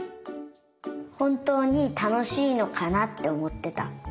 ほんとうにたのしいのかなっておもってた。